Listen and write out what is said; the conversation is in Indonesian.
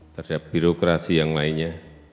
terhadap birokrasi yang lainnya